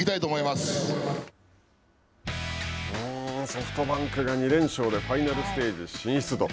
ソフトバンクが２連勝でファイナルステージ進出と。